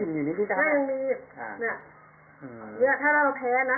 ยังไม่กินอยู่นี้ดิฉันนี่ถ้าเราแภนะ